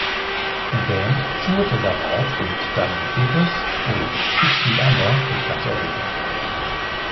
Die Band tourte darauf mit Dying Fetus und Six Feet Under durch ganz Europa.